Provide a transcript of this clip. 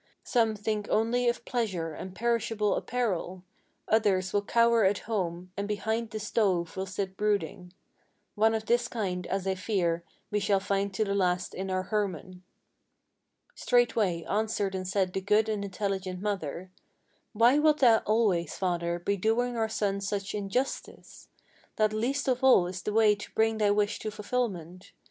Some think only of pleasure and perishable apparel; Others will cower at home, and behind the stove will sit brooding. One of this kind, as I fear, we shall find to the last in our Hermann." Straightway answered and said the good and intelligent mother: "Why wilt thou always, father, be doing our son such injustice? That least of all is the way to bring thy wish to fulfilment.